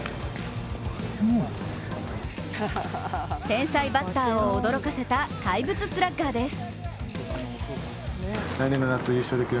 天才バッターを驚かせた怪物スラッガーです。